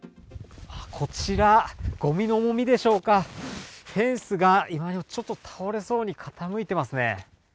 こちら、ごみの重みでしょうか、フェンスが今にもちょっと倒れそうに傾いていますね。